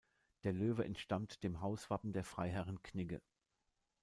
Der Löwe entstammt dem Hauswappen der Freiherren Knigge.